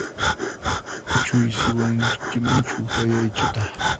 Kuchuysiwankimanchu kay aychata?